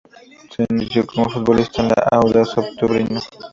Se inició como futbolista en el Audaz Octubrino.